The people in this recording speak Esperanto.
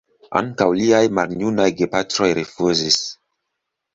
Ankaŭ liaj maljunaj gepatroj rifuzis.